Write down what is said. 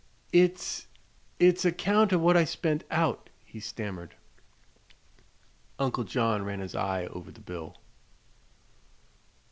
"It's it's a 'count of what I spent out," he stammered. Uncle John ran his eye over the bill.